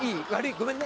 ごめんね。